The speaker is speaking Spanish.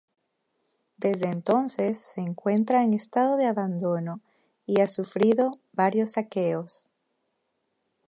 Desde entonces se encuentra en estado de abandono y ha sufrido varios saqueos.